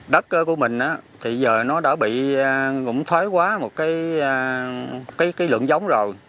đất của mình thì giờ nó đã bị thói quá một cái lượng giống rồi